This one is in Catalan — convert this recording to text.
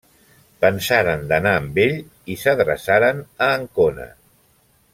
Pensaren d'anar amb ell i s'adreçaren a Ancona.